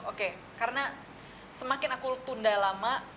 oke karena semakin aku tunda lama